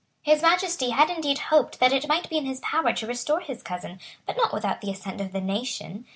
His Majesty had indeed hoped that it might be in his power to restore his cousin, but not without the assent of the nation.